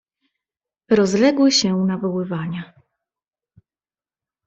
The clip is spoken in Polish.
"Rozległy się nawoływania."